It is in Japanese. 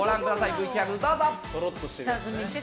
ＶＴＲどうぞ。